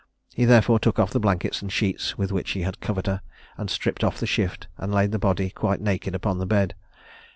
He therefore took off the blankets and sheets with which he had covered her, stripped off the shift, and laid the body quite naked upon the bed.